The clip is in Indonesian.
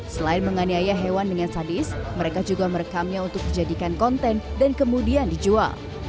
selain menganiaya hewan dengan sadis mereka juga merekamnya untuk dijadikan konten dan kemudian dijual